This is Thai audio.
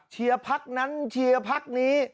พักนั้นเชียร์พักนี้